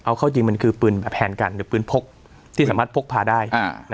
เอาเข้าจริงมันคือปืนแทนกันหรือปืนพกที่สามารถพกพาได้